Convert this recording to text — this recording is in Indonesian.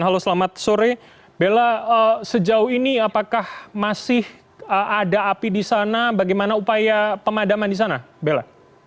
halo selamat sore bella sejauh ini apakah masih ada api di sana bagaimana upaya pemadaman di sana bella